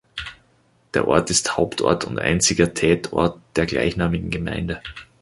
Der Ort ist Hauptort und einziger "tätort" der gleichnamigen Gemeinde.